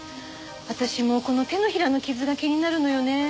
私もこの手のひらの傷が気になるのよね。